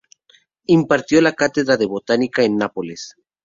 Impartió la cátedra de Botánica en Nápoles.